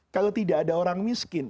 kalau tidak ada orang miskin